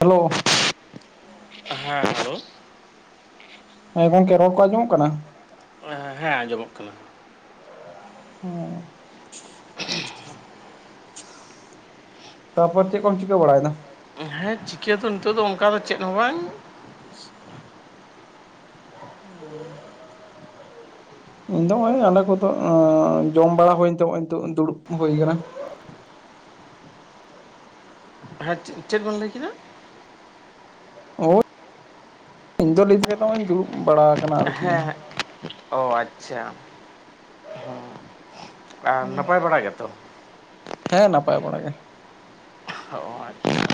Hello [inaudible] ᱦᱮᱸ hello. ᱦᱮᱸ ᱜᱚᱝᱠᱮ ᱨᱚᱲ ᱠᱚ ᱟᱸᱡᱚᱢᱚᱜ ᱠᱟᱱᱟᱱ? ᱦᱮᱸ ᱟᱸᱡᱚᱢᱚᱜ ᱠᱟᱱᱟ᱾ ᱦᱮᱸ [inaudible] ᱛᱟᱨ ᱯᱚᱨ ᱪᱮᱫ ᱠᱚᱢ ᱪᱤᱠᱟᱹ ᱵᱟᱲᱟᱭ ᱮᱫᱟ? ᱦᱮᱸ ᱪᱤᱠᱟᱹ ᱫᱚ ᱱᱤᱛᱚᱜ ᱫᱚ ᱚᱱᱠᱟ ᱫᱚ ᱪᱮᱫ ᱦᱚᱸ ᱵᱟᱝ᱾ ᱤᱧ ᱫᱚ ᱚᱸᱭ ᱟᱞᱮ ᱠᱚᱫᱚ ᱡᱚᱢ ᱵᱟᱲᱟ ᱦᱩᱭᱮᱱ ᱛᱮ ᱱᱚᱜ-ᱚᱭ ᱛᱳ ᱫᱩᱲᱩᱵ ᱦᱩᱭ ᱠᱟᱱᱟ᱾ ᱦᱮᱸ ᱪᱮ ᱪᱮᱫ ᱵᱚᱱ ᱞᱟᱹᱭ ᱠᱮᱫᱟ? ᱦᱚᱸ ᱤᱧ ᱫᱚᱞᱤᱧ ᱞᱟᱹᱭ ᱮᱫ ᱛᱟᱦᱮᱱᱤᱧ ᱫᱩᱲᱩᱵᱽ ᱵᱟᱲᱟ ᱦᱮᱸ ᱦᱮᱸ ᱚ ᱟᱪᱪᱷᱟ ᱦᱮᱸ᱾ ᱟᱨ ᱱᱟᱯᱟᱭ ᱵᱟᱲᱟ ᱜᱮ ᱛᱚ? ᱦᱮᱸ ᱱᱟᱯᱟᱭ ᱵᱟᱲᱟ ᱜᱮ᱾ ᱚᱸᱻ ᱟᱪᱪᱷᱟ,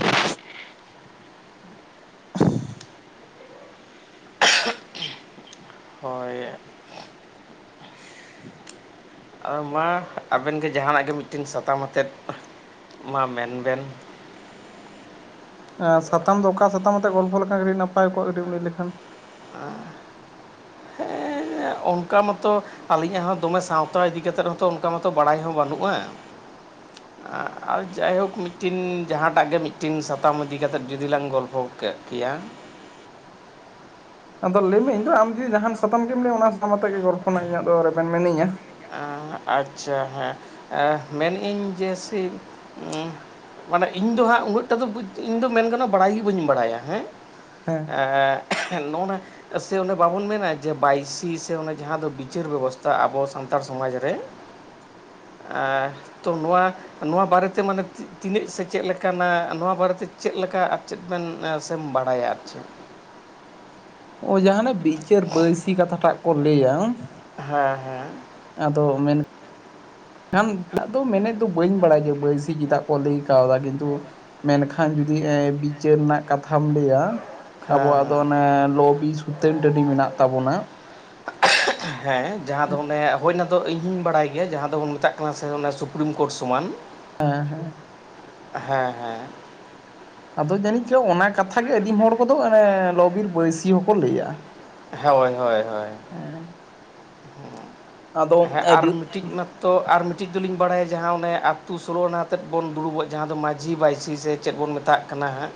ᱦᱳᱭ ᱟᱨ ᱢᱟ ᱟᱵᱮᱱ ᱜᱮ ᱡᱟᱦᱟᱱᱟᱜ ᱜᱤ ᱢᱤᱫ ᱴᱮᱱ ᱥᱟᱛᱟᱢ ᱟᱛᱮᱫ ᱢᱟ ᱢᱮᱱ ᱵᱮᱱ? ᱮᱸ ᱥᱟᱛᱟᱢ ᱫᱚ ᱚᱠᱟ ᱥᱟᱛᱟᱢ ᱟᱛᱮ ᱜᱚᱞᱯᱷᱚ ᱞᱮᱠᱷᱟᱱ ᱟᱹᱰᱤ ᱱᱟᱯᱟᱭ ᱠᱚᱜ-ᱟ ᱠᱟᱹᱴᱤᱡ ᱮᱢ ᱞᱟᱹᱭ ᱞᱮᱠᱷᱟᱱ? ᱟᱸ ᱦᱮᱸᱻ ᱚᱱᱠᱟ ᱢᱟᱛᱚ ᱟᱹᱞᱤᱧᱟᱜ ᱦᱚᱸ ᱫᱚᱢᱮ ᱥᱟᱶᱛᱟ ᱤᱫᱤ ᱠᱟᱛᱮᱫ ᱦᱚᱸ ᱛᱚ ᱚᱱᱠᱟ ᱢᱟᱛᱚ ᱵᱟᱲᱟᱭ ᱦᱚᱸ ᱵᱟᱹᱱᱩᱜ-ᱟ ᱾ ᱟᱸ ᱟᱨ ᱡᱟᱭᱦᱳᱠ ᱢᱤᱫ ᱴᱤᱱ ᱡᱟᱦᱟᱸᱴᱟᱜ ᱜᱮ ᱢᱤᱫ ᱴᱤᱱ ᱥᱟᱛᱟᱢ ᱤᱫᱤ ᱠᱟᱛᱮᱫ ᱡᱩᱫᱤ ᱞᱟᱝ ᱜᱚᱞᱯᱷᱚ ᱠᱮᱜ ᱠᱮᱭᱟ ᱟᱫᱚ ᱞᱟᱹᱭ ᱢᱮ ᱤᱧ ᱫᱚ ᱟᱢ ᱡᱩᱫᱤ ᱡᱟᱦᱟᱸᱱ ᱥᱟᱛᱟᱢ ᱜᱮᱢ ᱞᱟᱹᱭ ᱟ ᱚᱱᱟ ᱥᱟᱛᱟᱢ ᱟᱛᱮᱜ ᱜᱮ ᱜᱚᱞᱯᱷᱚ ᱤᱧᱟᱹᱜ ᱫᱚ ᱨᱮᱵᱮᱱ ᱢᱤᱱᱟᱹᱧᱟ ᱾ ᱟᱪᱪᱷᱟ ᱦᱮᱸ ᱮᱸ ᱢᱮᱱ [unintelligible] ᱢᱟᱱᱮ ᱤᱧ ᱫᱚ ᱦᱟᱸᱜ ᱩᱱᱟᱹᱜ ᱴᱟ ᱫᱚ ᱵᱩᱡ ᱤᱧ ᱫᱚ ᱢᱮᱱ ᱜᱟᱱ-ᱟ ᱵᱟᱲᱟᱭ ᱜᱤ ᱵᱟᱹᱧ ᱵᱟᱲᱟᱭᱟ ᱦᱮᱸ ᱾ ᱦᱮ ᱾ ᱦᱮᱸᱻ ᱱᱚᱜᱱᱟ ᱪᱮᱫᱟᱜ ᱥᱮ ᱚᱱᱮ ᱵᱟᱵᱚᱱ ᱢᱮᱱᱟ ᱡᱮ ᱵᱟᱭᱥᱤ ᱥᱮ ᱚᱱᱮ ᱡᱟᱦᱟᱸ ᱫᱚ ᱵᱤᱪᱟᱹᱨ ᱵᱮᱵᱚᱥᱛᱟ ᱟᱵᱚ ᱥᱟᱱᱛᱟᱲ ᱥᱚᱢᱟᱡ ᱟᱸ ᱛᱚ ᱱᱚᱣᱟ ᱱᱚᱣᱟ ᱵᱟᱨᱮ ᱛᱮ ᱢᱟᱱᱮ ᱛᱤᱱᱟᱹᱜ ᱥᱮ ᱪᱮᱫ ᱞᱮᱠᱟᱱᱟ ᱱᱚᱣᱟ ᱵᱟᱨᱮ ᱛᱮ ᱪᱮᱫ ᱞᱮᱠᱟ ᱵᱮᱱ ᱥᱮᱢ ᱵᱟᱲᱟᱭᱟ ᱟᱨ ᱪᱮᱫ ᱚ ᱡᱟᱦᱟᱱᱟᱜ ᱵᱤᱪᱟᱹᱨ ᱵᱟᱹᱭᱥᱤ ᱠᱟᱛᱷᱟ ᱴᱟᱜ ᱠᱚ ᱞᱟᱹᱭᱟ ᱦᱮᱸ ᱦᱮᱸ᱾ ᱟᱫᱚ ᱢᱮᱱ ᱮᱠᱷᱟᱱ ᱟᱫᱚ ᱢᱮᱱᱮᱫ ᱫᱚ ᱵᱟᱹᱧ ᱵᱟᱲᱟᱭ ᱜᱮᱭᱟ ᱵᱟᱹᱭᱥᱤ ᱪᱮᱫᱟᱜ ᱠᱚ ᱞᱟᱹᱭ ᱠᱟᱣᱫᱟ ᱠᱤᱱᱛᱩ ᱢᱮᱱᱠᱷᱟᱱ ᱡᱩᱫᱤ ᱮᱸ ᱵᱤᱪᱟᱹᱨ ᱨᱮᱱᱟᱜ ᱠᱟᱛᱷᱟᱢ ᱞᱟᱹᱭᱟ ᱟᱵᱚᱣᱟᱜ ᱫᱚ ᱚᱱᱮ ᱞᱚᱵᱤ ᱥᱩᱛᱟᱹᱱ ᱴᱟᱸᱹᱰᱤ ᱢᱮᱱᱟᱜ ᱛᱟᱵᱚᱱᱟ ᱾ ᱦᱮᱸ ᱡᱟᱦᱟᱸ ᱫᱚ ᱚᱱᱮ [unintelligible] ᱤᱧ ᱦᱚᱧ ᱵᱟᱲᱟᱭ ᱜᱮᱭᱟ ᱡᱟᱦᱟᱸ ᱫᱚᱵᱚᱱ ᱢᱮᱛᱟᱜ ᱠᱟᱱᱟ ᱥᱮ ᱥᱩᱯᱨᱤᱢ ᱠᱳᱨᱴ ᱥᱚᱢᱟᱱ ᱾ ᱦᱮᱸ ᱦᱮᱸ ᱾ ᱦᱮᱸ ᱦᱮᱸ ᱾ ᱟᱫᱚ ᱡᱟᱹᱱᱤᱡ ᱪᱚ ᱚᱱᱟ ᱠᱟᱛᱷᱟ ᱜᱮ ᱟᱹᱫᱤᱢ ᱦᱚᱲ ᱠᱚᱫᱚ ᱚᱱᱮ ᱞᱚ-ᱵᱤᱨ ᱵᱟᱹᱭᱥᱤ ᱦᱚᱸᱠᱚ ᱞᱟᱹᱭᱟ᱾ ᱦᱳᱭ ᱦᱳᱭ ᱦᱳᱭ ᱦᱮᱸ ᱟᱨ ᱢᱤᱴᱤᱡ ᱛᱚ ᱟᱨ ᱢᱤᱴᱤᱡ ᱫᱚ ᱞᱤᱧ ᱵᱟᱲᱟᱭᱟ ᱡᱟᱦᱟᱸ ᱚᱱᱮ ᱟᱛᱳ ᱥᱳᱞᱳ ᱟᱱᱟ ᱟᱛᱮᱫ ᱵᱚᱱ ᱫᱩᱲᱩᱵᱚᱜ ᱡᱟᱦᱟᱸ ᱫᱚ ᱢᱟᱹᱡᱷᱤ ᱵᱟᱭᱥᱤ ᱥᱮ ᱪᱮᱫ ᱵᱚᱱ ᱢᱮᱛᱟᱜ ᱠᱟᱱᱟ ᱦᱟᱸᱜ?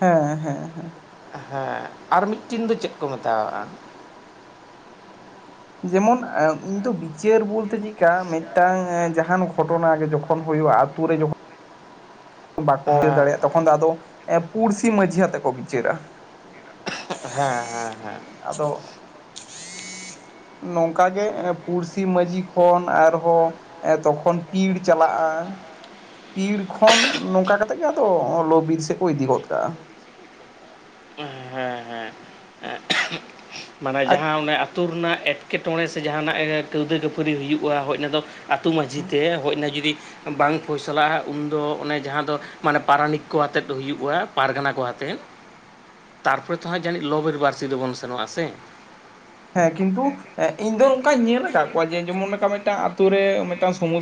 ᱦᱮᱸ ᱦᱮᱸ ᱦᱮᱸ ᱾ ᱦᱮᱸ ᱟᱨ ᱢᱤᱫ ᱴᱤᱱ ᱫᱚ ᱪᱮᱫ ᱠᱚ ᱢᱮᱛᱟᱣᱟᱜ-ᱟ? ᱡᱮᱢᱚᱱ ᱤᱧ ᱫᱚ ᱵᱤᱪᱟᱹᱨ ᱵᱚᱞᱛᱮ ᱪᱤᱫᱠᱟ ᱢᱤᱫᱴᱟᱝ ᱡᱟᱦᱟᱱ ᱜᱷᱚᱴᱚᱱᱟ ᱜᱮ ᱡᱚᱠᱷᱚᱱ ᱦᱩᱭᱩᱜ-ᱟ ᱟᱛᱩ ᱨᱮ ᱵᱟᱠᱚ ᱵᱤᱪᱟᱹᱨ ᱫᱟᱲᱮᱭᱟᱜ-ᱟ ᱛᱚᱠᱷᱚᱱ ᱫᱚ ᱟᱫᱚ ᱮ ᱯᱩᱲᱥᱤ ᱢᱟᱹᱡᱷᱤ ᱟᱛᱮ ᱠᱚ ᱵᱤᱪᱟᱹᱨᱟ᱾ ᱦᱮᱸ ᱦᱮᱸ ᱦᱮᱸ᱾ ᱟᱫᱚ [unintelligible] ᱱᱚᱝᱠᱟ ᱜᱮ ᱯᱩᱲᱥᱤ ᱢᱟᱹᱡᱷᱤ ᱠᱷᱚᱱ ᱟᱨᱦᱚᱸ ᱮ ᱛᱚᱠᱷᱚᱱ ᱯᱤᱲ ᱪᱟᱞᱟᱜᱼᱟ ᱯᱤᱲ ᱠᱷᱚᱱ ᱱᱚᱝᱠᱟ ᱠᱟᱛᱮᱫ ᱜᱮ ᱟᱫᱚ ᱞᱚ ᱵᱤᱨ ᱥᱮᱫ ᱠᱚ ᱤᱫᱤ ᱜᱚᱫ ᱠᱟᱜᱼᱟ ᱾ ᱦᱮᱸ ᱦᱮᱸ ᱢᱟᱱᱮ ᱡᱟᱦᱟᱸ ᱚᱱᱮ ᱟᱹᱛᱩ ᱨᱮᱱᱟᱜ ᱮᱴ ᱮᱴᱠᱮᱴᱚᱬᱮ ᱥᱮ ᱡᱟᱦᱟᱱᱟᱜ ᱠᱟᱹᱣᱫᱟᱹ ᱠᱷᱟᱹᱯᱟᱹᱨᱤ ᱦᱩᱭᱩᱜᱼᱟ ᱦᱳᱭ ᱚᱱᱟ ᱫᱚ ᱟᱛᱳ ᱢᱟᱹᱡᱷᱤ ᱛᱮ ᱦᱳᱭᱱᱟ ᱡᱩᱫᱤ ᱵᱟᱝ ᱯᱷᱚᱭᱥᱚᱞᱟᱜᱼᱟ ᱩᱱᱫᱚ ᱚᱱᱮ ᱡᱟᱦᱟᱸ ᱫᱚ ᱢᱟᱱᱮ ᱯᱟᱨᱟᱱᱤᱠ ᱠᱚ ᱟᱛᱮᱫ ᱦᱩᱭᱩᱜᱼᱟ ᱯᱟᱨᱜᱟᱱᱟ ᱠᱚ ᱟᱛᱮᱫ ᱛᱟᱨᱯᱚᱨᱮ ᱛᱚ ᱦᱟᱸᱜ ᱡᱟᱹᱱᱤᱡ ᱞᱚ ᱵᱤᱨ ᱵᱟᱨᱥᱤ ᱫᱚᱵᱚᱱ ᱥᱮᱱᱚᱜᱼᱟ ᱥᱮ? ᱦᱮᱸ ᱠᱤᱱᱛᱩ ᱤᱧ ᱫᱚ ᱱᱚᱝᱠᱟᱧ ᱧᱮᱞ ᱠᱟᱫ ᱠᱚᱣᱟ ᱡᱮ ᱡᱮᱢᱚᱱ ᱢᱤᱫᱴᱟᱝ ᱟᱛᱳ ᱨᱮ ᱢᱤᱫᱴᱟᱝ ᱥᱚᱢ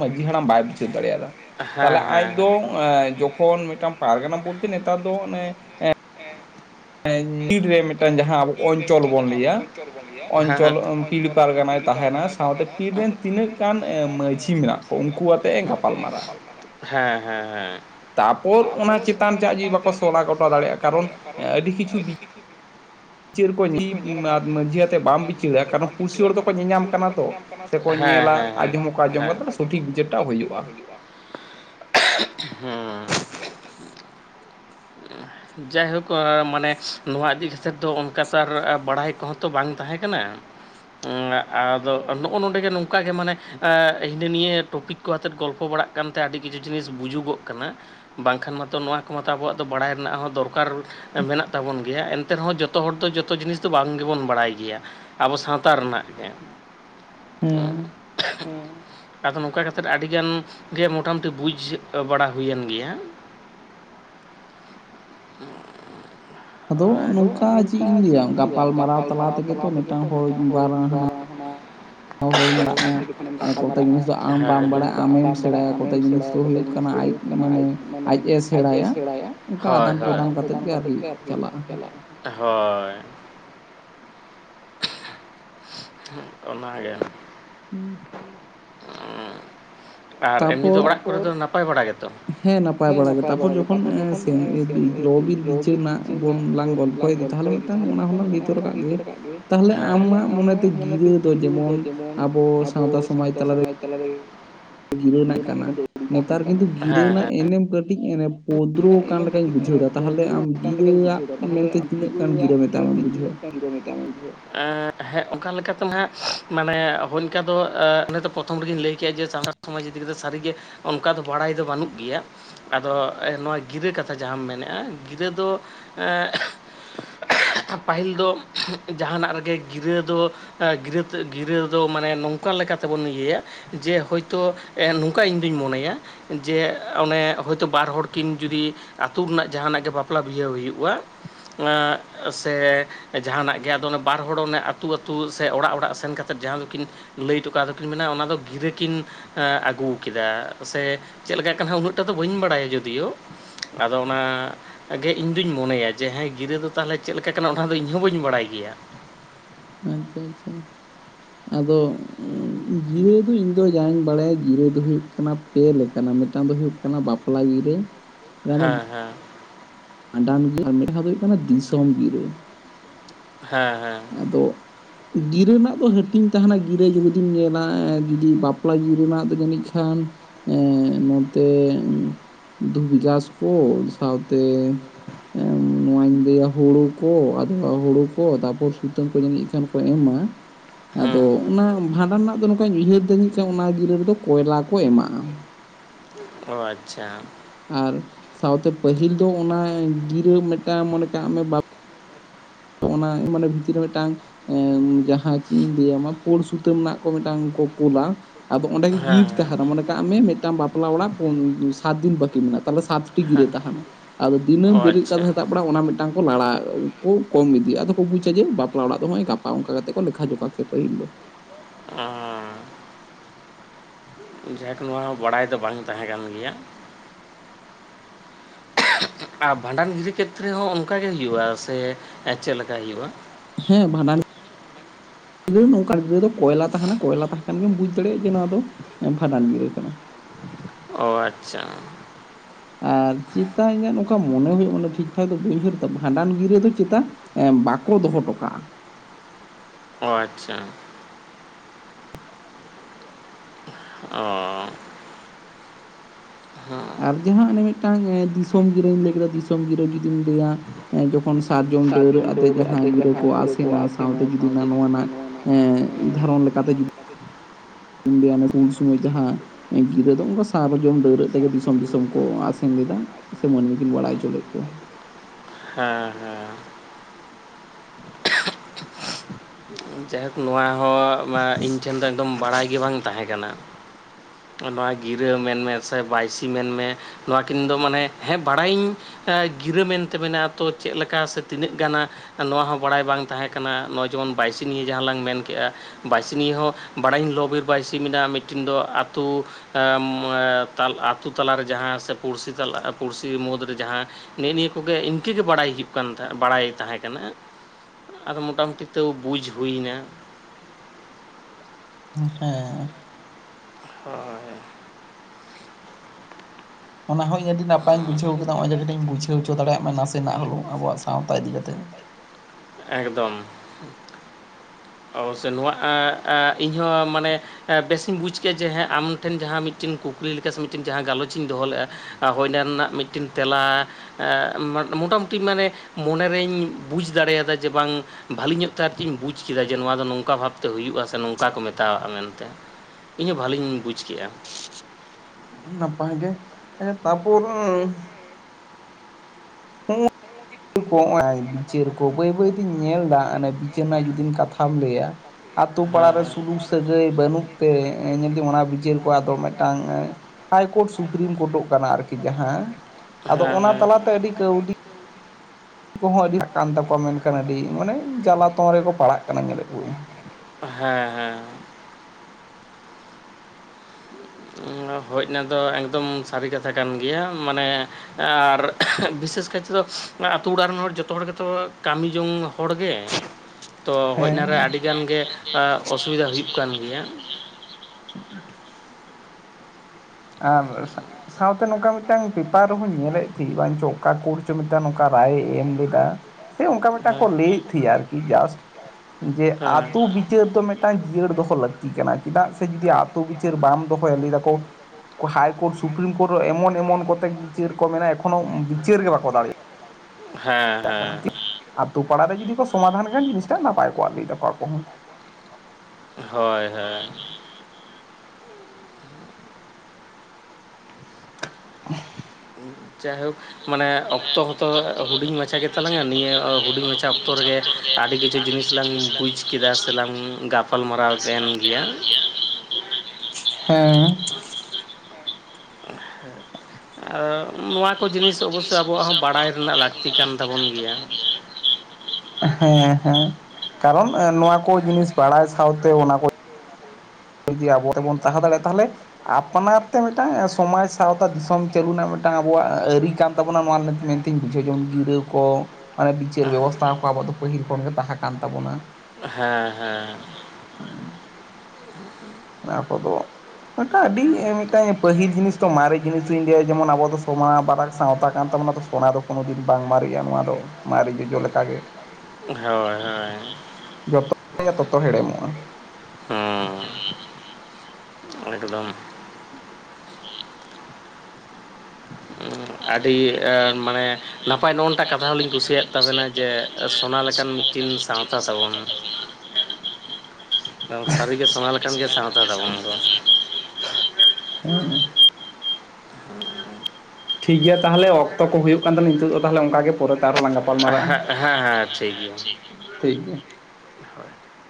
ᱢᱟᱹᱡᱷᱤ ᱦᱟᱲᱟᱢ ᱵᱟᱭ ᱵᱤᱪᱟᱹᱨ ᱫᱟᱲᱮᱭᱟᱫᱟ᱾ ᱛᱟᱦᱚᱞᱮ ᱟᱡ ᱫᱚ ᱮ ᱡᱚᱠᱷᱚᱱ ᱢᱤᱫᱴᱟᱝ ᱯᱟᱨᱜᱟᱱᱟ ᱵᱚᱞᱛᱮ ᱱᱮᱛᱟᱨ ᱫᱚ ᱚᱱᱮ ᱮ [unintelligible] ᱵᱤᱨ ᱨᱮ ᱢᱤᱫᱴᱟᱝ ᱡᱟᱦᱟᱸ᱾ ᱛᱤᱨ ᱨᱮ ᱢᱤᱫᱴᱮᱱ ᱡᱟᱦᱟᱸ ᱚᱧᱪᱚᱞ ᱵᱚᱱ ᱞᱟᱹᱭᱟ ᱦᱮᱸ ᱦᱮᱸ ᱚᱧᱪᱚᱞ ᱨᱮ ᱢᱤᱫᱴᱤᱡ ᱯᱤᱨ ᱯᱟᱨᱜᱟᱱᱟ ᱛᱟᱦᱮᱱᱟ᱾ ᱤᱵᱮᱱ ᱛᱤᱱᱟᱹᱜ ᱜᱟᱱ ᱢᱟᱺᱡᱷᱤ ᱢᱮᱱᱟᱜ ᱠᱚᱣᱟ ᱩᱱᱠᱩ ᱟᱛᱮᱜ ᱮ ᱜᱟᱯᱟᱞ ᱢᱟᱨᱟᱜ-ᱟ᱾ ᱦᱮᱸ ᱦᱮᱸ ᱦᱮᱸ ᱛᱟᱯᱚᱨ ᱚᱱᱟ ᱪᱮᱛᱟᱱ ᱪᱟᱜ ᱡᱩᱫᱤ ᱵᱟᱠᱚ ᱥᱚᱞᱟ ᱜᱚᱴᱟ ᱫᱟᱲᱮᱭᱟᱜᱼᱟ ᱠᱟᱨᱚᱱ ᱟᱹᱰᱤ ᱠᱤᱪᱷᱩ ᱵᱤᱼᱼ ᱪᱟᱹᱨ ᱠᱚ ᱫᱤ ᱢᱟᱺᱡᱷᱤ ᱟᱛᱮ ᱵᱟᱢ ᱵᱤᱪᱟᱹᱨᱟ ᱠᱟᱨᱚᱱ ᱯᱩᱲᱥᱤ ᱦᱚᱲ ᱫᱚᱠᱚ ᱧᱮᱧᱟᱢ ᱠᱟᱱᱟ ᱛᱚ? ᱥᱮᱠᱚ ᱧᱮᱞᱟ ᱟᱸᱡᱚᱢ ᱦᱚᱸᱠᱚ ᱟᱸᱡᱚᱢ ᱠᱟᱫᱟ ᱛᱟᱦᱮ ᱥᱚᱴᱷᱤᱠ ᱵᱤᱡᱟᱹᱨ ᱴᱟᱜ ᱦᱩᱭᱩᱜᱼᱟ᱾ ᱦᱩᱸ ᱡᱟᱭᱦᱳᱠ ᱢᱟᱱᱮ ᱱᱚᱣᱟ ᱤᱫᱤᱼᱼ ᱪᱮᱫ ᱫᱚ ᱚᱱᱠᱟ ᱛᱚ ᱟᱨ ᱵᱟᱲᱟᱭ ᱠᱚᱦᱚᱸ ᱛᱚ ᱵᱟᱝ ᱛᱟᱦᱮᱸ ᱠᱟᱱᱟ᱾ ᱟᱫᱚ ᱱᱚᱜ-ᱟ ᱱᱚᱰᱮ ᱜᱮ ᱱᱚᱝᱠᱟᱜ ᱜᱮ ᱢᱟᱱᱮ ᱮᱸ ᱦᱤᱱᱟᱹ ᱱᱤᱭᱟᱹ ᱴᱚᱯᱤᱠ ᱠᱚ ᱟᱛᱮᱫ ᱜᱚᱞᱯᱷᱚ ᱵᱟᱲᱟᱜ ᱠᱟᱱᱛᱮ ᱟᱹᱰᱤ ᱠᱤᱪᱷᱩ ᱡᱤᱱᱤᱥ ᱵᱩᱡᱩᱜᱚᱜ ᱠᱟᱱᱟ᱾ ᱵᱟᱝᱠᱷᱟᱱ ᱢᱟᱛᱚ ᱱᱚᱣᱟ ᱠᱚ ᱢᱟᱛᱚ ᱟᱵᱚᱣᱟᱜ ᱫᱚ ᱵᱟᱲᱟᱭ ᱨᱮᱱᱟᱜ ᱦᱚᱸ ᱫᱚᱨᱠᱟᱨ ᱢᱮᱱᱟᱜ ᱛᱟᱵᱚᱱ ᱜᱮᱭᱟ᱾ ᱛᱮᱦᱚᱸ ᱡᱚᱛᱚ ᱦᱚᱲ ᱫᱚ ᱡᱚᱛᱚ ᱡᱤᱱᱤᱥ ᱫᱚ ᱵᱟᱝ ᱜᱮᱵᱚᱱ ᱵᱟᱲᱟᱭ ᱜᱮᱭᱟ ᱟᱵᱚ ᱥᱟᱶᱛᱟ ᱨᱮᱱᱟᱜ ᱜᱮ᱾ ᱦᱩ ᱟᱫᱚ ᱱᱚᱝᱠᱟ ᱠᱟᱛᱮᱫ ᱟᱹᱰᱤ ᱜᱟᱱ ᱜᱮ ᱢᱚᱴᱟ ᱢᱩᱴᱤ ᱵᱩᱡᱽ ᱵᱟᱲᱟ ᱦᱩᱭᱮᱱ ᱜᱮᱭᱟ᱾ [unintelligible] ᱟᱫᱚ ᱱᱚᱝᱠᱟ ᱪᱮᱫ ᱤᱧ ᱞᱟᱹᱭᱟ ᱜᱟᱯᱟᱞ ᱢᱟᱨᱟᱣ ᱛᱟᱞᱟ ᱛᱮᱜ ᱛᱚ ᱢᱤᱫᱴᱟᱝ ᱦᱚᱲ ᱵᱟᱨ ᱦᱟᱱᱟ᱾ ᱚᱱᱟ [inaudible] ᱜᱟᱯᱟᱞ ᱢᱟᱨᱟᱜᱼᱟ ᱵᱟᱢ ᱵᱟᱲᱟᱜᱼᱟ ᱟᱢᱮᱢ ᱥᱮᱬᱟᱭᱟ ᱠᱚᱴᱚ ᱡᱤᱱᱤᱥ ᱠᱚ ᱦᱩᱭᱩᱜᱼᱟ᱾ ᱟᱡ ᱢᱟᱱᱮ ᱟᱡ ᱮ ᱥᱮᱬᱟᱭᱟ ᱚᱫᱟᱱ ᱯᱚᱫᱟᱱ ᱠᱟᱛᱮ ᱜᱮ ᱟᱨᱠᱤᱼᱼ ᱦᱳᱭ ᱚᱱᱟᱜᱮ ᱦᱩᱸ ᱚᱸ ᱟᱨ ᱮᱢᱱᱤ ᱫᱚ ᱚᱲᱟᱜ ᱠᱚᱨᱮ ᱫᱚ ᱱᱟᱯᱟᱭ ᱵᱟᱲᱟ ᱜᱮᱛᱚ? ᱦᱮᱸ ᱱᱟᱯᱟᱭ ᱵᱟᱲᱟ ᱜᱮ ᱛᱟᱯᱚᱨ ᱡᱚᱠᱷᱚᱱᱼᱼ ᱮᱢᱟᱜ ᱵᱚᱱ ᱞᱟᱝ ᱜᱚᱞᱯᱷᱚᱤᱫᱤ ᱛᱟᱦᱚᱞᱮ ᱢᱤᱫᱴᱟᱝ ᱚᱱᱟ ᱦᱚᱸᱞᱟᱝ ᱞᱟᱹᱭ ᱛᱚᱨᱟ ᱠᱟᱜ ᱜᱮ ᱛᱟᱦᱚᱞᱮ ᱟᱢᱟᱜ ᱢᱚᱱᱮᱛᱮ ᱜᱤᱨᱟᱹᱼᱼ ᱛᱚ ᱡᱮᱢᱚᱱ ᱟᱵᱚ ᱥᱟᱶᱛᱟ ᱥᱚᱢᱟᱡᱽ ᱛᱟᱞᱟᱨᱮ᱾ ᱛᱟᱞᱟ ᱨᱮ ᱜᱤᱨᱟᱹᱱᱟᱜ ᱠᱟᱱᱟ ᱱᱮᱛᱟᱨ ᱠᱤᱱᱛᱩ ᱜᱤᱨᱟᱹᱱᱟᱜ ᱮᱱᱮᱢ ᱠᱟᱹᱴᱤᱡᱼᱼ ᱨᱩᱚᱫᱽᱫᱨᱚ ᱠᱟᱱ ᱞᱮᱠᱟᱧ ᱵᱩᱡᱷᱟᱹᱣ ᱫᱟ ᱛᱟᱦᱚᱞᱮ ᱟᱢ ᱜᱤᱨᱟᱹᱣᱟᱜ ᱢᱮᱱᱛᱮ ᱛᱤᱱᱟᱹᱜ ᱜᱟᱱ ᱜᱤᱨᱟᱹ ᱢᱮᱱᱛᱮ ᱟᱢᱮᱢ ᱵᱩᱡᱷᱟᱹᱣᱟ? ᱦᱮᱸ ᱚᱱᱠᱟ ᱞᱮᱠᱟᱛᱮ ᱱᱟᱦᱟᱸᱜ ᱢᱟᱱᱮ ᱦᱳᱭ ᱤᱱᱠᱟ ᱫᱚᱼᱼ ᱯᱨᱚᱛᱷᱚᱢ ᱨᱮᱜᱮᱧ ᱞᱟᱹᱭ ᱠᱮᱫᱼᱟ ᱡᱮ ᱥᱟᱱᱛᱟᱲ ᱥᱚᱢᱟᱡᱽ ᱤᱫᱤ ᱠᱟᱛᱮ ᱫᱚ ᱥᱟᱹᱨᱤᱜᱮ ᱚᱱᱠᱟ ᱵᱟᱲᱟᱭ ᱫᱚ ᱵᱟᱹᱱᱩᱜ ᱟᱫᱚ᱾ ᱦᱳᱭ ᱱᱚᱣᱟ ᱜᱤᱨᱟᱹ ᱠᱟᱛᱷᱟ ᱡᱟᱦᱟᱸᱢ ᱢᱮᱱᱮᱫᱼᱟ ᱜᱤᱨᱟᱹ ᱫᱚ ᱮᱸ᱾ ᱯᱟᱹᱦᱤᱞ ᱫᱚ ᱡᱟᱦᱟᱱᱟᱜ ᱨᱮᱜᱮ ᱜᱤᱨᱟᱹ ᱫᱚᱼᱼ ᱜᱤᱨᱟᱹ ᱜᱤᱨᱟᱹ ᱫᱚ ᱢᱟᱱᱮ ᱱᱚᱝᱠᱟ ᱞᱮᱠᱟ ᱛᱮᱵᱚᱱ ᱤᱭᱟᱹᱭᱟ, ᱡᱮ ᱦᱚᱳᱭᱛᱳ ᱱᱚᱝᱠᱟ ᱤᱧ ᱫᱩᱧ ᱢᱚᱱᱮᱭᱟ ᱡᱮ ᱚᱱᱮ ᱦᱚᱳᱭᱛᱳ ᱵᱟᱨ ᱦᱚᱲ ᱩᱱᱠᱤᱱ ᱡᱩᱫᱤ ᱟ ᱟᱹᱛᱩᱳ ᱨᱮᱱᱟᱜ ᱡᱟᱦᱟᱱᱟᱜ ᱜᱮ ᱵᱟᱯᱞᱟ ᱵᱤᱦᱟᱹ ᱦᱩᱭᱩᱜᱼᱟ ᱥᱮᱟᱹ ᱯᱮᱼᱼ ᱡᱟᱦᱟᱱᱟᱜ ᱜᱮ ᱟᱫᱚ ᱚᱱ ᱵᱟᱨ ᱦᱚᱲ ᱚᱱᱮ ᱟᱹᱛᱩ ᱟᱹᱛᱩᱳ ᱥᱮ ᱚᱲᱟᱜ ᱚᱲᱟᱜ ᱥᱮᱱ ᱠᱟᱛᱮᱫ ᱡᱟᱦᱟᱸ ᱫᱚᱠᱤᱱᱼᱼ ᱞᱟᱹᱭ ᱦᱚᱴᱚ ᱠᱟᱜ ᱫᱚᱠᱤᱱ ᱢᱮᱱᱟ ᱚᱱᱟᱫᱚ ᱜᱤᱨᱟᱹ ᱠᱤᱱ, ᱟᱹᱜᱩ ᱠᱮᱫᱟ ᱥᱮ ᱪᱮᱫᱞᱮᱠᱟ ᱠᱟᱱᱟ ᱩᱱᱟᱜ ᱴᱟ ᱫᱚ ᱵᱟᱹᱧ ᱵᱟᱲᱟᱭᱟ ᱡᱩᱫᱤ᱾ ᱫᱤᱭ ᱦᱩᱭᱩᱜ ᱟᱫᱚ ᱚᱱᱟ ᱟᱜᱮ ᱤᱧ ᱫᱩᱧ ᱢᱚᱱᱮᱭᱟ ᱡᱮ ᱦᱮᱸ ᱜᱤᱨᱟᱹ ᱫᱚ ᱛᱟᱦᱚᱞᱮ ᱪᱮᱫᱮ ᱞᱮᱠᱟ ᱠᱟᱱᱟ ᱚᱱᱟ ᱫᱚ ᱤᱧᱦᱚᱸ ᱵᱟᱹᱧ ᱵᱟᱲᱟᱭ ᱜᱮᱭᱟ᱾ ᱟᱪᱪᱷᱟ ᱟᱪᱪᱷᱟ᱾ ᱟᱫᱚ ᱜᱤᱨᱟᱹ ᱫᱚ ᱤᱧ ᱫᱚ ᱡᱟᱧ ᱵᱟᱲᱟᱭᱟ ᱜᱤᱨᱟᱹ ᱫᱚ ᱦᱩᱭᱩᱜ ᱠᱟᱱᱟ᱾ ᱯᱮ ᱞᱮᱠᱟᱱᱟ, ᱢᱤᱫᱴᱟᱝ ᱫᱚ ᱦᱩᱭᱩᱜ ᱠᱟᱱᱟ ᱵᱟᱯᱞᱟ ᱜᱤᱨᱟᱹ᱾ ᱦᱮᱸ ᱦᱮᱸ᱾ ᱵᱷᱟᱰᱟᱱ ᱜᱮ ᱟᱨ ᱢᱮᱫᱷᱟ ᱫᱚ ᱦᱩᱭᱩᱜ ᱠᱟᱱᱟ ᱫᱤᱥᱚᱢ ᱜᱤᱨᱟᱹ᱾ ᱦᱮᱸ ᱦᱮᱸ᱾ ᱜᱤᱨᱟᱹ ᱨᱮᱱᱟᱜ ᱫᱚ ᱦᱟᱹᱴᱤᱧ ᱛᱟᱦᱮᱱᱟ, ᱜᱤᱨᱟᱹ ᱡᱩᱫᱤᱢ ᱧᱮᱞᱟ ᱡᱩᱫᱤ ᱵᱟᱯᱞᱟ ᱜᱤᱨᱟᱹ ᱨᱮᱱᱟᱜ ᱫᱚ ᱡᱟᱹᱱᱤᱡ ᱠᱷᱟᱱ ᱮ ᱱᱚᱛᱮ ᱫᱷᱩᱵᱤ ᱜᱷᱟᱥ ᱠᱚ ᱥᱟᱶᱛᱮ ᱮᱢ ᱱᱚᱣᱟᱧ ᱞᱟᱹᱭᱟ ᱦᱩᱲᱩ ᱠᱚ ᱟᱫᱣᱟ ᱦᱩᱲᱩ ᱠᱚ ᱛᱟᱯᱚᱨ ᱥᱩᱛᱟᱹᱢ ᱠᱚ ᱡᱟᱹᱱᱤᱡ ᱠᱷᱟᱱ ᱠᱚ ᱮᱢᱟ᱾ ᱟᱫᱚ ᱚᱱᱟ ᱵᱷᱟᱸᱰᱟᱱ ᱨᱮᱱᱟᱜ ᱫᱚ ᱱᱚᱝᱠᱟᱧ ᱩᱭᱦᱟᱹᱨ ᱫᱟ ᱡᱟᱱᱤᱡ ᱠᱷᱟᱱ ᱚᱱᱟ ᱜᱤᱨᱟᱹ ᱨᱮᱫᱚ ᱠᱚᱭᱞᱟ ᱠᱚ ᱮᱢᱟᱜᱼᱟ᱾ ᱚ ᱟᱪᱪᱷᱟ᱾ ᱟᱨ ᱥᱟᱶᱛᱮ ᱯᱟᱹᱦᱤᱞ ᱫᱚ ᱚᱱᱟ ᱜᱤᱨᱟᱹ ᱢᱤᱫᱴᱟᱝ ᱢᱚᱱᱮ ᱠᱟᱜ ᱢᱮ ᱵᱟᱯ ᱚᱱᱟ ᱢᱟᱱᱮ ᱵᱷᱤᱛᱤᱨ ᱨᱮ ᱢᱤᱫᱴᱟᱝ ᱮ ᱡᱟᱦᱟᱸ ᱪᱮᱫ ᱤᱧ ᱞᱟᱹᱭᱟᱢᱟ ᱯᱳᱲ ᱥᱩᱛᱟᱹᱢ ᱨᱮᱱᱟᱜ ᱠᱚ ᱢᱤᱫᱴᱟᱝ ᱠᱚ ᱠᱩᱞᱟ᱾ ᱟᱫᱚ ᱚᱸᱰᱮ ᱜᱮ ᱜᱤᱴ ᱛᱟᱦᱮᱱᱟ ᱢᱚᱱᱮ ᱠᱟᱜ ᱢᱮ ᱢᱤᱫᱴᱟᱝ ᱵᱟᱯᱞᱟ ᱚᱲᱟᱜ ᱯᱩᱱ ᱥᱟᱛ ᱫᱤᱱ ᱵᱟᱟᱹᱠᱤ ᱢᱮᱱᱟᱜᱼᱟ, ᱛᱟᱦᱚᱞᱮ ᱥᱟᱛ ᱠᱩᱴᱤ ᱜᱤᱨᱟᱹ ᱛᱟᱦᱮᱱᱟ ᱟᱫᱚ ᱫᱤᱱᱟᱹᱢ ᱵᱮᱨᱮᱫ ᱠᱟᱛᱮᱫ ᱥᱮᱛᱟᱜ ᱵᱮᱲᱟ ᱚᱱᱟ ᱢᱤᱫᱴᱟᱝ ᱠᱚ ᱞᱟᱲᱟ ᱠᱩ ᱠᱚᱢ ᱤᱫᱤᱜ-ᱟ ᱟᱫᱚ ᱠᱚ ᱵᱩᱡᱟ ᱡᱮ ᱵᱟᱯᱞᱟ ᱚᱲᱟᱜ ᱫᱚ ᱦᱚᱸᱜ ᱚᱭ ᱜᱟᱯᱟ ᱚᱱᱠᱟ ᱠᱟᱛᱮ ᱠᱚ ᱞᱮᱷᱟ ᱡᱚ ᱠᱮᱭᱟ ᱯᱟᱹᱦᱤᱞ ᱫᱚ᱾ ᱟᱻ᱾ ᱡᱟᱠ ᱱᱚᱣᱟ ᱦᱚ ᱵᱟᱲᱟᱭ ᱫᱚ ᱵᱟᱝ ᱛᱟᱦᱮᱸ ᱠᱟᱱ ᱜᱮᱭᱟ᱾ ᱟᱨ ᱵᱷᱟᱸᱰᱟᱱ ᱜᱤᱨᱤ ᱠᱷᱮᱛᱨᱮ ᱦᱚᱸ ᱚᱝᱠᱟᱟᱜ ᱜᱮ ᱦᱩᱭᱩᱜᱼᱟ ᱥᱮ ᱪᱮᱫᱞᱮᱠᱟ ᱦᱩᱭᱩᱜᱼᱟ? ᱦᱮᱸ ᱵᱷᱟᱰᱟᱱ ᱜᱤᱨᱟᱹ ᱱᱚᱝᱠᱟ ᱜᱤᱨᱟᱹ ᱫᱚ ᱠᱚᱭᱞᱟ ᱛᱟᱦᱮᱱᱟ ᱠᱚᱭᱞᱟ ᱛᱟᱦᱮᱸ ᱠᱟᱱ ᱠᱷᱟᱱ ᱜᱮᱢ ᱵᱩᱡ ᱫᱟᱲᱮᱭᱟᱜ-ᱟ ᱡᱮ ᱱᱚᱣᱟ ᱫᱚ ᱮᱸ ᱵᱷᱟᱸᱰᱟᱱ ᱜᱤᱨᱟᱹ ᱠᱟᱱᱟ᱾ ᱚ ᱟᱪᱪᱷᱟ᱾ ᱟᱨ ᱪᱤᱛᱟ ᱤᱧᱟᱹᱜ ᱚᱱᱠᱟ ᱢᱚᱱᱮ ᱦᱩᱭᱩᱜ ᱢᱟᱱᱮ ᱴᱷᱤᱠ ᱴᱷᱟᱠ ᱫᱚ ᱵᱟᱹᱧ ᱩᱭᱦᱟᱹᱨ ᱫᱟ ᱵᱷᱟᱸᱰᱟᱱ ᱜᱤᱨᱟᱹ ᱫᱚ ᱪᱮᱫᱟ ᱮ ᱵᱟᱠᱚ ᱫᱚᱦᱚ ᱦᱚᱴᱚ ᱠᱟᱜᱼᱟ᱾ ᱚ ᱟᱪᱪᱷᱟ᱾ ᱚ᱾ ᱦᱮᱸ᱾ ᱡᱟᱦᱟᱸ ᱚᱱᱮ ᱢᱤᱫᱴᱟᱝ ᱫᱤᱥᱚᱢ ᱜᱤᱨᱟᱹᱧ ᱞᱟᱹᱭ ᱠᱮᱫᱟ, ᱫᱤᱥᱚᱢ ᱜᱤᱨᱟᱹ ᱡᱩᱫᱤᱢ ᱞᱟᱹᱭᱟ ᱡᱚᱠᱷᱚᱱ ᱥᱟᱨᱡᱚᱢ ᱰᱟᱹᱨ ᱟᱛᱮᱜ ᱡᱟᱦᱟᱸ ᱜᱤᱨᱟᱹ ᱠᱚ ᱟᱥᱮᱱᱟ ᱥᱟᱶᱛᱮ ᱡᱩᱫᱤ ᱱᱟ ᱱᱟᱣᱟᱱᱟᱜ ᱮᱸ ᱩᱫᱷᱟᱨᱚᱱ ᱞᱮᱠᱟᱛᱮ ᱡᱩᱫᱤ ᱤᱧ ᱞᱟᱹᱭᱟ ᱩᱱ ᱥᱚᱢᱚᱭ ᱡᱟᱦᱟᱸ ᱜᱤᱫᱽᱨᱟᱹ ᱫᱚ ᱚᱝᱠᱟ ᱥᱟᱨᱡᱚᱢ ᱰᱟᱹᱨ ᱟᱛᱮᱜᱮ ᱫᱤᱥᱚᱢ ᱫᱤᱥᱚᱢ ᱠᱚ ᱟᱥᱮᱱ ᱞᱮᱫᱟ᱾ ᱥᱮ ᱢᱟᱹᱱᱢᱤ ᱠᱤᱱ ᱵᱟᱲᱟᱭ ᱚᱪᱚ ᱞᱮᱫ ᱠᱚᱣᱟ᱾ ᱦᱮᱸ ᱦᱮᱸ᱾ [unintelligible] ᱡᱟᱭᱦᱳᱠ ᱱᱚᱣᱟ ᱦᱚᱸ ᱤᱧ ᱴᱷᱮᱱ ᱫᱚ ᱮᱠᱫᱚᱢ ᱵᱟᱲᱟᱭ ᱜᱮ ᱵᱟᱝ ᱛᱟᱦᱮᱸ ᱠᱟᱱᱟ᱾ ᱱᱚᱣᱟ ᱜᱤᱨᱟᱹ ᱢᱮᱱ ᱢᱮ ᱥᱮ ᱵᱟᱭᱥᱤ ᱢᱮᱱᱢᱮ᱾ ᱱᱚᱣᱟ ᱠᱤᱱ ᱫᱚ ᱢᱟᱱᱮ ᱦᱮᱸ ᱵᱟᱲᱟᱭᱟᱹᱧ ᱜᱤᱨᱟᱹ ᱢᱮᱱᱛᱮ ᱢᱮᱱᱟᱜᱼᱟ ᱛᱚ ᱪᱮᱫ ᱞᱮᱠᱟ ᱥᱮ ᱛᱤᱱᱟᱹᱜ ᱜᱟᱱᱟ ᱱᱚᱣᱟ ᱦᱚᱸ ᱵᱟᱲᱟᱭ ᱵᱟᱝ ᱛᱟᱸᱦᱮ ᱠᱟᱱᱟ ᱱᱚᱣᱟ ᱡᱮᱢᱚᱱ ᱵᱟᱭᱥᱤ ᱱᱤᱭᱟᱹ ᱡᱟᱦᱟᱸ ᱞᱟᱝ ᱢᱮᱱ ᱠᱮᱜᱼᱟ᱾ ᱵᱟᱭᱥᱤ ᱱᱤᱭᱮ ᱦᱚᱸ ᱵᱟᱲᱟᱭᱤᱧ ᱞᱚ ᱵᱤᱨ ᱵᱟᱭᱥᱤ ᱢᱮᱱᱟᱜᱼᱟ, ᱢᱤᱫᱴᱤᱱ ᱫᱚ ᱟᱹᱛᱩ ᱛᱟ ᱟᱛᱩ ᱛᱟᱞᱟ ᱨᱮ ᱡᱟᱦᱟᱸ ᱥᱮ ᱯᱩᱲᱥᱤ ᱛᱟᱞᱟ ᱯᱩᱲᱥᱤ ᱢᱩᱫᱽᱨᱮ ᱡᱟᱦᱟᱸ ᱱᱮᱜ ᱮ ᱱᱤᱭᱟᱹ ᱠᱚᱜᱮ ᱤᱱᱠᱟᱹ ᱜᱮ ᱵᱟᱲᱟᱭ ᱦᱩᱭᱩᱜ ᱠᱟᱱ ᱫᱟᱜ ᱵᱟᱲᱟᱭ ᱛᱟᱦᱮᱸ ᱠᱟᱱᱟ ᱟᱫᱚ ᱢᱚᱴᱟ ᱢᱩᱴᱤ ᱛᱟᱹᱣ ᱵᱩᱡ ᱦᱩᱭ ᱱᱟ᱾ ᱦᱮᱸ᱾ ᱦᱳᱭ ᱾ ᱚᱱᱟ ᱦᱚᱸ ᱤᱧ ᱟᱹᱰᱤ ᱱᱟᱯᱟᱭ ᱤᱧ ᱵᱩᱡᱷᱟᱹᱣ ᱠᱮᱫᱟ ᱦᱚᱸᱼᱚᱭ ᱡᱮ ᱠᱟᱹᱴᱤᱡ ᱤᱧ ᱵᱩᱡᱷᱟᱹᱣ ᱦᱚᱪᱚ ᱫᱟᱲᱮᱭᱟᱜ ᱢᱮ ᱱᱟᱥ ᱥᱮᱱᱟᱜ ᱦᱩᱞᱳ ᱟᱵᱚᱣᱟᱜ ᱥᱟᱶᱛᱟ ᱤᱫᱤ ᱠᱟᱛᱮ᱾ ᱮᱠᱫᱚᱢ ᱚᱵᱥᱳᱭ ᱱᱚᱣᱟ ᱮᱸ ᱮᱸ ᱤᱧ ᱦᱚᱸ ᱢᱟᱱᱮ ᱵᱮᱥ ᱤᱧ ᱵᱩᱡᱽ ᱠᱮᱜᱼᱟ ᱡᱮ ᱦᱮᱸ ᱟᱢ ᱴᱷᱮᱱ ᱡᱟᱦᱟᱸ ᱢᱤᱫᱴᱮᱱ ᱠᱩᱠᱞᱤ ᱞᱮᱠᱟ ᱥᱮ ᱢᱤᱫᱴᱮᱱ ᱡᱟᱦᱟᱸ ᱜᱟᱞᱚᱪ ᱤᱧ ᱫᱚᱦᱚ ᱞᱮᱜᱼᱟ᱾ ᱟ ᱦᱳᱭ ᱞᱮᱱ ᱨᱮᱱᱟᱜ ᱢᱤᱫᱴᱤᱱ ᱛᱮᱞᱟ ᱮᱸ ᱢᱟᱴ ᱢᱚᱴᱟᱢᱩᱴᱤ ᱢᱟᱱᱮ ᱢᱚᱱᱮ ᱨᱤᱧ ᱵᱩᱡᱽ ᱫᱟᱲᱮᱭᱟᱫᱟ ᱡᱮ ᱵᱟᱝ ᱵᱷᱟᱹᱞᱤ ᱧᱚᱜ ᱛᱮ ᱟᱨ ᱪᱮᱫ ᱤᱧ ᱵᱩᱡᱽ ᱠᱮᱫᱟ ᱡᱮ ᱱᱚᱣᱟ ᱫᱚ ᱱᱚᱝᱠᱟ ᱵᱷᱟᱵᱽ ᱛᱮ ᱦᱩᱭᱩᱜᱼᱟ ᱥᱮ ᱱᱚᱝᱠᱟ ᱠᱚ ᱢᱮᱛᱟᱣᱟᱜᱼᱟ ᱢᱮᱱᱛᱮ᱾ ᱤᱧ ᱦᱚᱸ ᱵᱷᱟᱞᱮᱧ ᱵᱩᱡᱽ ᱠᱮᱜᱼᱟ᱾ ᱱᱟᱯᱟᱭ ᱜᱮ ᱦᱮᱸ ᱛᱟᱯᱚᱨ ᱮᱸ [inaudible] ᱠᱚ ᱦᱚᱸᱼᱚᱭ ᱵᱤᱪᱟᱹᱨ ᱠᱚ ᱵᱟᱹᱭ ᱵᱟᱹᱭ ᱛᱤᱧ ᱧᱮᱞ ᱫᱟ ᱚᱱᱮ ᱵᱤᱪᱟᱹᱨ ᱨᱮᱱᱟᱜ ᱡᱩᱫᱤᱢ ᱠᱟᱛᱷᱟᱢ ᱞᱟᱹᱭᱟ᱾ ᱟᱛᱩ ᱯᱟᱲᱟ ᱨᱮ ᱥᱩᱞᱩᱠ ᱥᱟᱹᱜᱟᱹᱭ ᱵᱟᱹᱱᱩᱜ ᱛᱮ ᱧᱮᱞᱫᱟᱹᱧ ᱚᱱᱟ ᱵᱤᱪᱟᱹᱨ ᱠᱚᱣᱟᱜ ᱫᱚ ᱢᱤᱫᱴᱟᱝ ᱦᱟᱭ ᱠᱳᱨᱴ ᱥᱩᱯᱨᱤᱢ ᱠᱳᱨᱴᱳᱜ ᱠᱟᱱᱟ ᱟᱨᱠᱤ ᱡᱟᱸᱦᱟ ᱟᱫᱚ ᱚᱱᱟ ᱛᱟᱞᱟᱛᱮ ᱟᱹᱰᱤ ᱠᱟᱹᱣᱰᱤ ᱠᱚᱦᱚᱸ ᱟᱹᱰᱤ ᱟᱜ ᱠᱟᱱ ᱛᱟᱠᱚᱣᱟ ᱢᱮᱱᱠᱷᱟᱱ ᱟᱹᱰᱤ ᱢᱟᱱᱮ ᱡᱟᱞᱟ ᱛᱚᱱ ᱨᱮᱠᱚ ᱯᱟᱲᱟᱜ ᱠᱟᱱᱟ ᱧᱮᱞᱮᱫ ᱠᱚᱣᱟᱹᱧ᱾ ᱦᱮᱸ ᱦᱮᱸ᱾ ᱦᱳᱡ ᱱᱟ ᱫᱚ ᱮᱠᱫᱚᱢ ᱥᱟᱹᱨᱤ ᱠᱟᱛᱷᱟ ᱠᱟᱱ ᱜᱮᱭᱟ ᱢᱟᱱᱮ ᱟᱨ ᱵᱤᱥᱮᱥ ᱠᱟᱭᱛᱮ ᱫᱚ ᱟᱛᱳ ᱚᱲᱟᱜ ᱨᱮᱱ ᱦᱚᱲ ᱡᱚᱛᱚ ᱦᱚᱲ ᱜᱮᱛᱚ ᱠᱟᱹᱢᱤ ᱡᱚᱝ ᱦᱚᱲᱜᱮ᱾ ᱛᱚ ᱦᱚᱡᱱᱟ ᱨᱮ ᱟᱹᱰᱤ ᱜᱟᱱ ᱜᱮ ᱚᱥᱩᱵᱤᱫᱟ ᱦᱩᱭᱩᱜ ᱠᱟᱱ ᱜᱮᱭᱟ᱾ ᱟᱨ ᱥᱟ ᱥᱟᱶᱛᱮ ᱱᱚᱝᱠᱟ ᱢᱤᱫᱴᱟᱝ ᱯᱮᱯᱟᱨ ᱨᱮᱦᱚᱧ ᱧᱮᱞᱮᱫ ᱛᱟᱦᱮᱸᱜ ᱵᱟᱝ ᱪᱚ ᱚᱠᱟ ᱠᱳᱲ ᱪᱚ ᱢᱤᱫᱴᱟᱝ ᱱᱚᱝᱠᱟ ᱨᱟᱭᱮ ᱮᱢ ᱞᱮᱫᱟ᱾ ᱥᱮ ᱚᱝᱠᱟ ᱢᱤᱫᱴᱟᱝ ᱠᱚ ᱞᱟᱹᱭᱮᱫ ᱛᱟᱸᱦᱮᱜᱼᱟ ᱟᱨᱠᱤ ᱡᱟᱥᱴ ᱡᱮ ᱟᱛᱳ ᱵᱤᱪᱟᱹᱨ ᱫᱚ ᱢᱤᱫ ᱢᱤᱫᱴᱟᱝ ᱡᱤᱭᱟᱹᱲ ᱫᱚᱦᱚ ᱞᱟᱹᱠᱛᱤ ᱠᱟᱱᱟ ᱪᱮᱫᱟᱜ ᱥᱮ ᱡᱩᱫᱤ ᱟᱛᱳ ᱵᱤᱪᱟᱹᱨ ᱵᱟᱢ ᱫᱚᱦᱚᱭ ᱞᱟᱹᱭᱟᱠᱚ ᱦᱟᱭ ᱠᱳᱨᱴ ᱥᱩᱯᱨᱤᱢ ᱠᱳᱨᱴ ᱮᱢᱚᱱ ᱮᱢᱚᱱ ᱠᱚᱛᱮᱠ ᱵᱤᱪᱟᱹᱨ ᱠᱚ ᱢᱮᱱᱟ ᱮᱠᱷᱚᱱᱚ ᱵᱤᱪᱟᱹᱨ ᱜᱮ ᱵᱟᱠᱚ ᱫᱟᱲᱮᱭᱟᱜᱼᱟ᱾ ᱪᱟᱜ ᱠᱟᱱᱟ ᱪᱮ ᱟᱛᱳ ᱯᱟᱲᱟ ᱨᱮ ᱡᱩᱫᱤ ᱠᱚ ᱥᱚᱢᱟᱫᱷᱟᱱ ᱠᱷᱟᱱ ᱡᱤᱱᱤᱥᱴᱟ ᱱᱟᱯᱟᱭ ᱠᱚᱜ-ᱟ ᱞᱟᱹᱭ ᱫᱟᱠᱚ ᱟᱠᱚ ᱦᱚᱸ᱾ ᱦᱳᱭ ᱦᱳᱭ᱾ [inaudible] ᱦᱩᱸ ᱡᱟᱭᱦᱳᱠ᱾ ᱢᱟᱱᱮ ᱚᱠᱛᱚ ᱦᱚᱸᱛᱚ ᱦᱩᱰᱤᱧ ᱢᱟᱪᱷᱟ ᱜᱮ ᱛᱟᱞᱟᱝᱼᱟ ᱱᱤᱭᱟᱹ ᱦᱩᱰᱤᱧ ᱢᱟᱪᱷᱟ ᱚᱠᱛᱚ ᱨᱮᱜᱮ ᱟᱹᱰᱤ ᱠᱤᱪᱷᱩ ᱡᱤᱱᱤᱥ ᱞᱟᱝ ᱵᱩᱡᱽ ᱠᱮᱫᱟ ᱥᱮᱞᱟᱝ ᱜᱟᱯᱟᱞ ᱢᱟᱨᱟᱣ ᱮᱱ ᱜᱮᱭᱟ᱾ ᱦᱮᱸ᱾ ᱟᱨ ᱱᱚᱣᱟ ᱠᱚ ᱡᱤᱱᱤᱥ ᱚᱵᱚᱥᱥᱳᱭ ᱟᱵᱚᱣᱟᱜ ᱦᱚᱸ ᱵᱟᱲᱟᱭ ᱨᱮᱱᱟᱜ ᱞᱟᱹᱠᱛᱤ ᱠᱟᱱ ᱛᱟᱵᱚᱱ ᱜᱮᱭᱟ᱾ ᱦᱮᱸ ᱦᱮᱸ ᱠᱟᱨᱚᱱ ᱱᱚᱣᱟ ᱠᱚ ᱡᱤᱱᱤᱥ ᱵᱟᱲᱟᱭ ᱥᱟᱶᱛᱮ ᱚᱱᱟ ᱠᱚ ᱡᱩᱫᱤ ᱟᱵᱚ ᱛᱮ ᱵᱚᱱ ᱛᱟᱦᱮᱸ ᱫᱟᱲᱮᱭᱟᱜᱼᱟ ᱛᱟᱦᱚᱞᱮ ᱟᱯᱱᱟᱨ ᱛᱮ ᱢᱤᱫᱴᱟᱝ ᱥᱚᱢᱟᱡᱽ ᱥᱟᱶᱛᱟ ᱫᱤᱥᱚᱢ ᱪᱟᱹᱞᱩ ᱨᱮᱱᱟᱜ ᱢᱤᱫᱴᱟᱝ ᱟᱵᱚᱣᱟᱜ ᱟᱹᱨᱤ ᱠᱟᱱ ᱛᱟᱵᱚᱱᱟ ᱱᱚᱣᱟ ᱢᱮᱱᱛᱮ ᱢᱮᱱᱛᱮ ᱛᱤᱧ ᱵᱩᱡᱷᱟᱹᱣᱟ ᱡᱮᱢᱚᱱ ᱜᱤᱨᱟᱹ ᱠᱚ ᱢᱟᱱᱮ ᱵᱤᱪᱟᱹᱨ ᱵᱮᱵᱚᱥᱛᱷᱟ ᱠᱚ ᱟᱵᱚᱣᱟᱜ ᱫᱚ ᱯᱟᱹᱦᱤᱞ ᱠᱷᱚᱱᱜᱮ ᱛᱟᱦᱮᱸ ᱠᱟᱱ ᱛᱟᱵᱚᱱᱟ᱾ ᱦᱮᱸ ᱦᱮᱸ᱾ ᱚᱱᱟ ᱠᱚᱫᱚ ᱚᱱᱠᱟ ᱟᱹᱰᱤ ᱢᱤᱫᱴᱟᱝ ᱯᱟᱹᱦᱤᱞ ᱡᱤᱱᱤᱥ ᱫᱚ ᱢᱟᱨᱮ ᱡᱤᱱᱤᱥ ᱫᱩᱧ ᱞᱟᱹᱭᱟ ᱡᱮᱢᱚᱱ ᱟᱵᱚ ᱫᱚ ᱥᱚᱢᱱᱟ ᱵᱟᱨᱟᱜᱽ ᱥᱟᱶᱛᱟ ᱠᱟᱱ ᱛᱟᱵᱚᱱᱟ ᱛᱚ ᱚᱱᱟ ᱫᱚ ᱠᱳᱱᱳ ᱫᱤᱱ ᱵᱟᱝ ᱢᱟᱨᱤᱜᱼᱟ ᱱᱚᱣᱟ ᱫᱚ ᱢᱟᱨᱮ ᱡᱚᱡᱚ ᱞᱮᱠᱟ ᱜᱮ ᱡᱚᱛᱚ ᱢᱟᱨᱮᱜᱼᱟ ᱛᱚᱛᱚ ᱦᱮᱲᱮᱢᱚᱜᱼᱟ᱾ ᱦᱩᱸ᱾ ᱮᱠᱫᱚᱢ᱾ ᱟᱹᱰᱤ ᱮᱸ ᱢᱟᱱᱮ ᱱᱟᱯᱟᱭ ᱱᱚ-ᱚᱱᱴᱟᱜ ᱠᱟᱛᱷᱟ ᱦᱚᱞᱤᱧ ᱠᱩᱥᱤᱭᱟᱜ ᱛᱟᱵᱮᱱᱟ᱾ ᱡᱮ ᱥᱳᱱᱟ ᱞᱮᱠᱟᱱ ᱢᱤᱫᱴᱤᱱ ᱥᱟᱶᱛᱟ ᱛᱟᱵᱚᱱ᱾ ᱥᱟᱹᱨᱤ ᱜᱮ ᱥᱳᱱᱟ ᱞᱮᱠᱟᱱ ᱜᱮ ᱥᱟᱶᱛᱟ ᱛᱟᱵᱚᱱ ᱫᱚ᱾ [inaudible] ᱴᱷᱤᱠ ᱜᱮᱭᱟ ᱛᱟᱦᱞᱮ ᱚᱠᱛᱚ ᱠᱚ ᱦᱩᱭᱩᱜ ᱠᱟᱱ ᱛᱟᱦᱮ ᱱᱤᱛᱚᱜ ᱫᱚ ᱛᱟᱦᱚᱞᱮ ᱚᱱᱠᱟ ᱜᱮ᱾ ᱯᱚᱨᱮᱛᱮ ᱟᱨᱦᱚᱸ ᱞᱟᱝ ᱜᱟᱯᱟᱞ ᱢᱟᱨᱟᱜᱼᱟ ᱦᱮᱸᱦᱮᱸ ᱴᱷᱤᱠ ᱜᱮᱭᱟ᱾